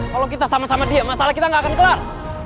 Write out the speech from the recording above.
kalau kita sama sama dia masalah kita nggak akan kelar